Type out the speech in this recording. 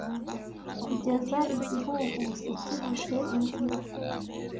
Kugeza igihuhusi kibuze inzira,